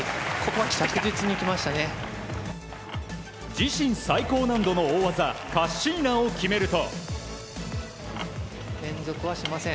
自身最高難度の大技カッシーナを決めると。